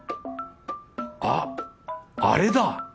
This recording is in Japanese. あっあれだ！